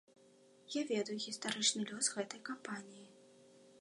Я ведаю гістарычны лёс гэтай кампаніі.